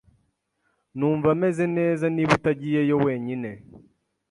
Numva meze neza niba utagiyeyo wenyine .